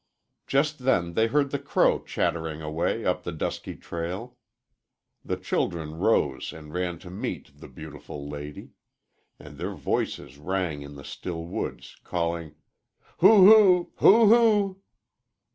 Just then they heard the crow chattering away up the dusky trail. The children rose and ran to meet "the beautiful lady," and their voices rang in the still woods, calling, "Hoo hoo! hoo hoo!"